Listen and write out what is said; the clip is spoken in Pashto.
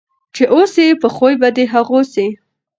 چي اوسې په خوی به د هغو سې